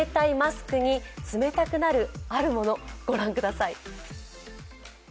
冷たいマスクに冷たくなるあるもの、御覧ください